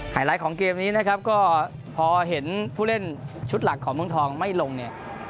ไลท์ของเกมนี้นะครับก็พอเห็นผู้เล่นชุดหลักของเมืองทองไม่ลงเนี่ย